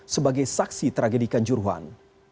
sebagai saksi tragedikan juruhan